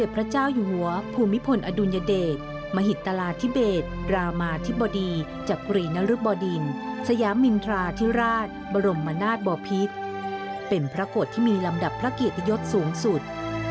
เป็นพระโกรธที่มีลำดับพระเกียรติยศสูงสุด